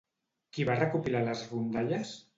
Qui va recopilar les rondalles?